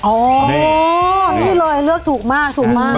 โอ้โหนี่เลยเลือกถูกมากถูกมาก